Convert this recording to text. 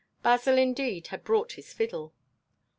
Basil, indeed, had brought his fiddle.